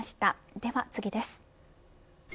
では次です。